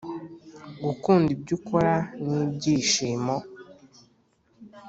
gukunda ibyo ukora nibyishimo.